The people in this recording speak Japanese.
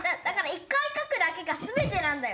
一回書くだけが全てなんだよ！